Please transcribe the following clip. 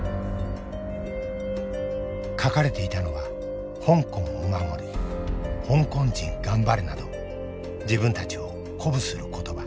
書かれていたのは「香港を守る」「香港人がんばれ」など自分たちを鼓舞する言葉。